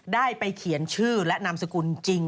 ได้ไปเขียนชื่อและนามสกุลจริง